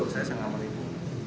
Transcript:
saya sangat menipu